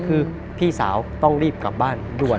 คือพี่สาวต้องรีบกลับบ้านด่วน